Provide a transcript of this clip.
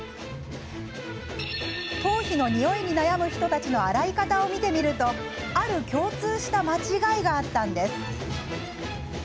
頭皮のにおいに悩む人たちの洗い方を見てみるとある共通した間違いがあったんです。